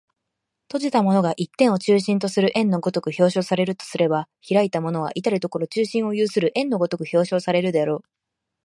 閉じたものが一点を中心とする円の如く表象されるとすれば、開いたものは到る処中心を有する円の如く表象されるであろう。